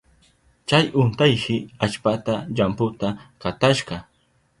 Chay untayshi allpata llamputa katashka.